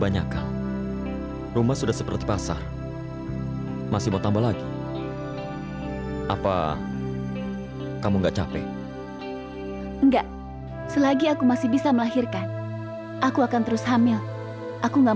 yaudah sekarang kamu cepet ambilin sapu